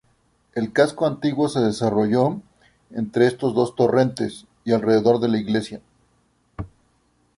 El casco antiguo se desarrolló entre estos dos torrentes y alrededor de la iglesia.